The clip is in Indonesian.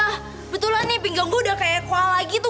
kebetulan nih pinggang gue udah kayak koala gitu